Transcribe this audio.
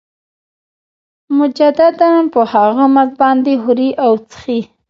مجدداً په هغه مزد باندې خوري او څښي